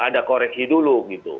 ada koreksi dulu gitu